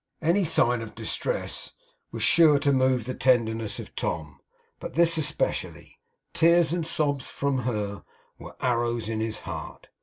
Any sight of distress was sure to move the tenderness of Tom, but this especially. Tears and sobs from her were arrows in his heart.